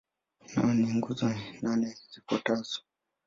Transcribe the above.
Nayo ina nguzo nane zifuatazo.